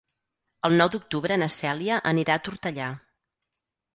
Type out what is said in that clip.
El nou d'octubre na Cèlia anirà a Tortellà.